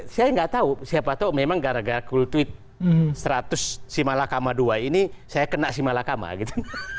saya nggak tahu siapa tahu memang gara gara cool tweet seratus si malakama dua ini saya kena si malakama gitu